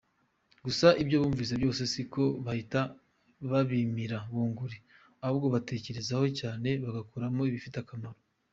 Gusa ibyo bumvise byose siko bahita babimira bunguri ahubwo babitekerezaho cyane bagakuramo ibifite akamaro.